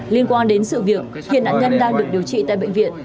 liên quan đến sự việc hiện nạn nhân đang được điều trị tại bệnh viện